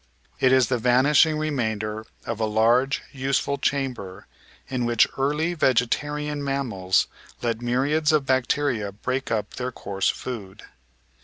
It is the vanishing remainder of a large, useful chamber in which early vegetarian mammals let myriads of bac teria break up their coarse food.